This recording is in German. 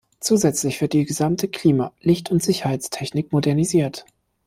Zusätzlich wird die gesamte Klima-, Licht- und Sicherheitstechnik modernisiert.